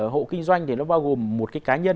hộ kinh doanh thì nó bao gồm một cái cá nhân